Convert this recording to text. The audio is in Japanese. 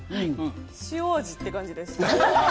塩味って感じです。